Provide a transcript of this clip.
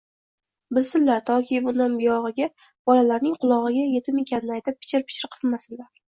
Bilsinlar, toki bundan buyog'iga bolalarning qulog'iga yetim ekanini aytib, pichir-pichir qilmasinlar.